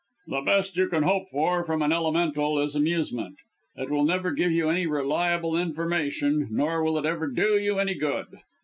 The best you can hope for, from an Elemental, is amusement it will never give you any reliable information; nor will it ever do you any good."